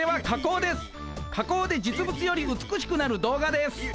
加工で実物より美しくなる動画です。